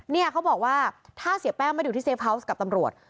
เนี่ยเขาบอกว่าถ้าเสียแป้งไม่อยู่ที่เซฟาวส์กับตำรวจ